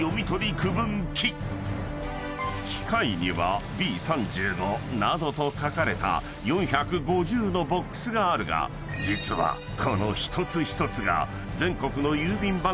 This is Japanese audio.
［機械にはＢ−３５などと書かれた４５０のボックスがあるが実はこの］